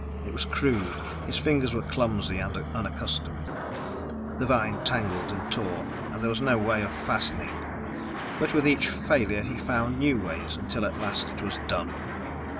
It was crude; his fingers were clumsy and unaccustomed; the vine tangled and tore, and there was no way of fastening. But with each failure he found new ways, until at last it was done.